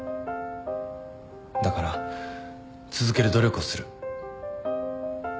だから続ける努力をする。